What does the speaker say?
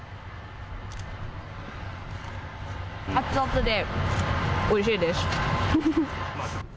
熱々でおいしいです。